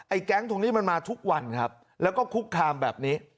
แก๊งตรงนี้มันมาทุกวันครับแล้วก็คุกคามแบบนี้